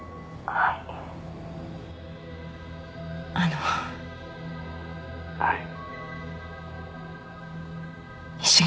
あははい